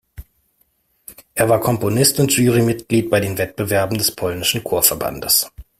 Er war Komponist und Jury-Mitglied bei den Wettbewerben des polnischen Chorverbandes.